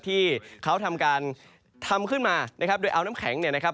ที่เขาทำการทำขึ้นมานะครับโดยเอาน้ำแข็งเนี่ยนะครับ